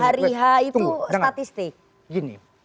statistik tunggu dengar gini